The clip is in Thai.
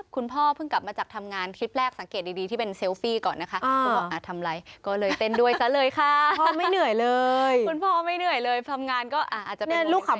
คุณพ่อหายไปไหนเดินไปไหนอ๋อไปหาหนังยางมามัดผม